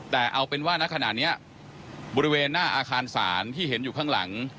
แต่เอาเป็นว่าณขณะนี้บริเวณหน้าอาคารศาลที่เห็นอยู่ข้างหลัง